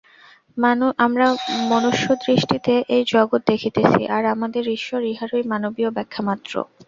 আমরা মনুষ্যদৃষ্টিতে এই জগৎ দেখিতেছি, আর আমাদের ঈশ্বর ইহারই মানবীয় ব্যাখ্যা মাত্র।